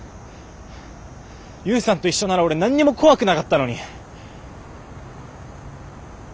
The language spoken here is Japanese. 悠さんと一緒なら俺何にも怖くなかったのに。